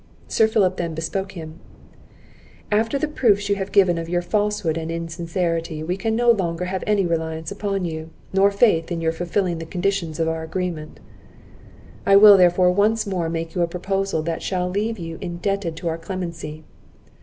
Sir Philip then bespoke him: "After the proofs you have given of your falsehood and insincerity, we can no longer have any reliance upon you, nor faith in your fulfilling the conditions of our agreement; I will, therefore, once more make you a proposal that shall still leave you indebted to our clemency.